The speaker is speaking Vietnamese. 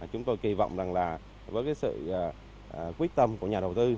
chúng tôi kỳ vọng rằng là với cái sự quyết tâm của nhà đầu tư